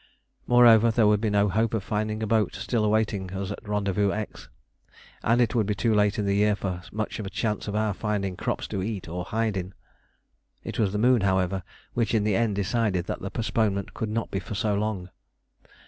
Moreover, there would be no hope of finding a boat still awaiting us at Rendezvous X, and it would be too late in the year for much chance of our finding crops to eat or hide in. It was the moon, however, which in the end decided that the postponement could not be for so long.